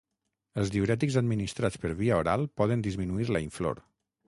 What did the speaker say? Els diürètics administrats per via oral poden disminuir la inflor.